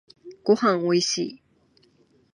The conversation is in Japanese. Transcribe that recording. ごはんおいしい